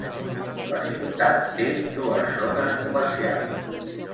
La ciutat té dues zones comercials.